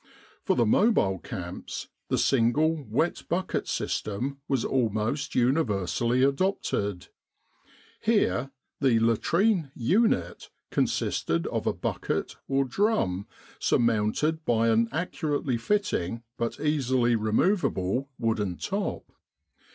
For the mobile camps the single wet bucket system was almost universally adopted. Here the latrine "unit" consisted of a bucket or drum sur mounted by an accurately fitting, but easily 158 Camp Sanitation removable, wooden top.